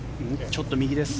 ちょっと右です。